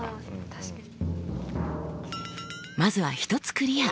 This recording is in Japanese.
まずは１つクリア。